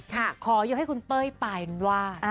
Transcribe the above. ขอยกให้คุณเป้ยปานวาด